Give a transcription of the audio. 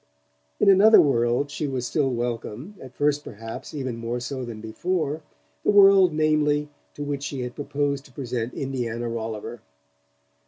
In another world she was still welcome, at first perhaps even more so than before: the world, namely, to which she had proposed to present Indiana Rolliver.